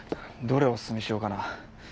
どれをおすすめしようかな。